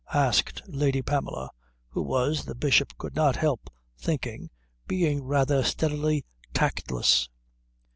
asked Lady Pamela, who was, the Bishop could not help thinking, being rather steadily tactless.